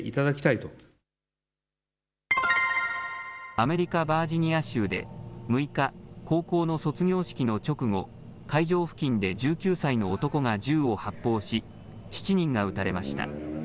アメリカ・バージニア州で６日、高校の卒業式の直後、会場付近で１９歳の男が銃を発砲し７人が撃たれました。